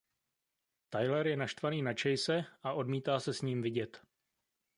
Tyler je naštvaný na Chase a odmítá se s ním vidět.